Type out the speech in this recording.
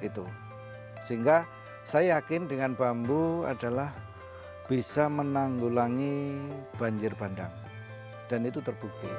itu sehingga saya yakin dengan bambu adalah bisa menanggulangi banjir bandang dan itu terbukti